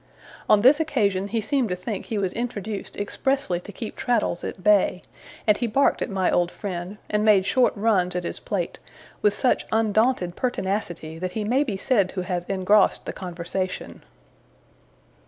On this occasion he seemed to think he was introduced expressly to keep Traddles at bay; and he barked at my old friend, and made short runs at his plate, with such undaunted pertinacity, that he may be said to have engrossed the conversation.